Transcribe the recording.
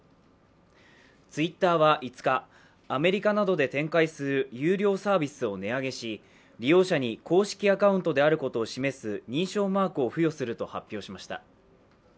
ツイッターは５日、アメリカなどで展開する有料サービスを値上げし、利用者に公式アカウントであることを示す認証マークを付与すると発表しました。